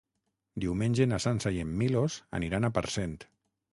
Diumenge na Sança i en Milos aniran a Parcent.